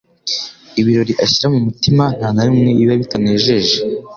Ibirori ashyira mu mutima nta na rimwe biba bitanejeje.